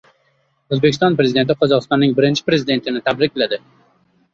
O‘zbekiston Prezidenti Qozog‘istonning Birinchi Prezidentini tabrikladi